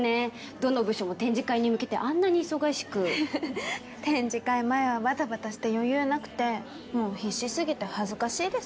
どの部署も展示会に向けてあんなに忙しく展示会前はバタバタして余裕なくてもう必死すぎて恥ずかしいです